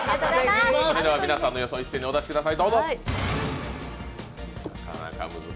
皆さんの予想を一斉にお出しください。